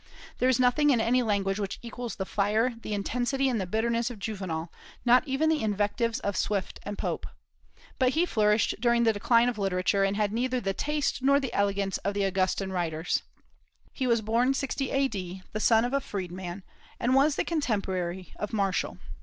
There is nothing in any language which equals the fire, the intensity, and the bitterness of Juvenal, not even the invectives of Swift and Pope. But he flourished during the decline of literature, and had neither the taste nor the elegance of the Augustan writers. He was born 60 A.D., the son of a freedman, and was the contemporary of Martial.